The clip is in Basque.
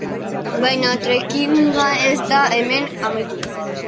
Baina trekkinga ez da hemen amaitu.